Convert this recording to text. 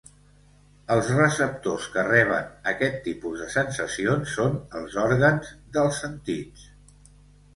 Els receptors que reben aquests tipus de sensacions són els òrgans dels sentits.